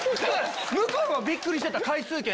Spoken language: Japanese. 向こうもびっくりしてた回数券。